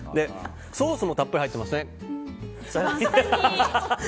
ソースもたっぷり入ってますね。